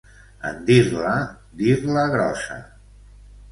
En dir-la, dir-la grossa.